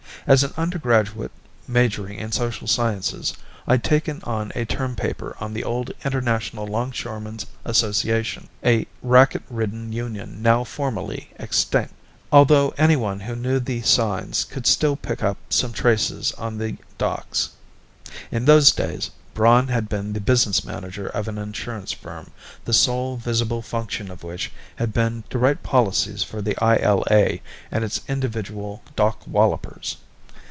As an undergraduate majoring in social sciences, I'd taken on a term paper on the old International Longshoreman's Association, a racket ridden union now formally extinct although anyone who knew the signs could still pick up some traces on the docks. In those days, Braun had been the business manager of an insurance firm, the sole visible function of which had been to write policies for the ILA and its individual dock wallopers.